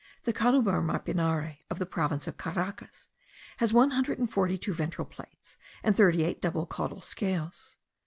The Coluber mapanare of the province of Caracas has one hundred and forty two ventral plates, and thirty eight double caudal scales.